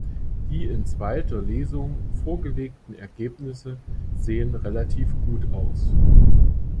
Die in zweiter Lesung vorgelegten Ergebnisse sehen relativ gut aus.